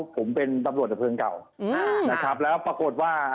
ผมเป็นตำรวจดับเพลิงเก่านะครับแล้วปรากฏว่า